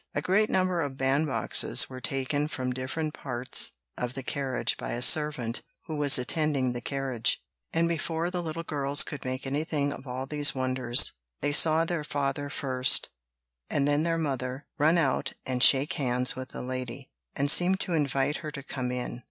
A great number of bandboxes were taken from different parts of the carriage by a servant who was attending the carriage; and before the little girls could make anything of all these wonders, they saw their father first, and then their mother, run out and shake hands with the lady, and seem to invite her to come in.